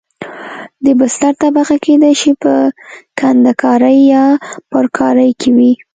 د بستر طبقه کېدای شي په کندنکارۍ یا پرکارۍ کې وي